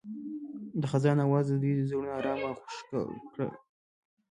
د خزان اواز د دوی زړونه ارامه او خوښ کړل.